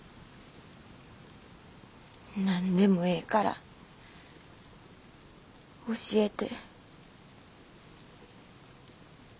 何でもええから教えて。